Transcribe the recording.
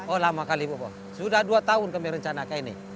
oh lama kali pokoknya sudah dua tahun kami rencanakan ini